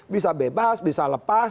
bisa bebas bisa lepas